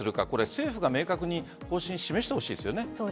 政府が明確に方針を示してほしいですよね。